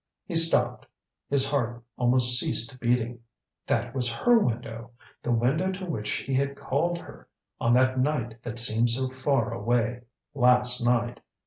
He stopped his heart almost ceased beating. That was her window! The window to which he had called her on that night that seemed so far away last night!